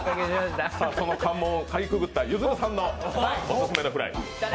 その関門をかいくぐったゆずるさんのオススメフライ。